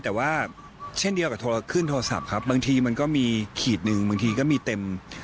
แต่ว่าเช่นเดียวกับโทรขึ้นโทรศัพท์ครับบางทีมันก็มีขีดหนึ่งบางทีก็มีเต็ม